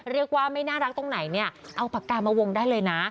เรียกว่าไม่น่ารักตรงไหนเนี่ยเอาปากกามาวงได้เลยนะ